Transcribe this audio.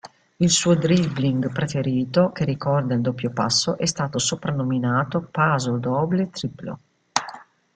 Il suo dribbling preferito, che ricorda il doppio passo, è stato soprannominato "paso doble-triplo".